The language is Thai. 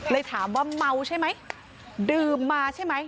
ถามว่าเมาใช่ไหมดื่มมาใช่ไหม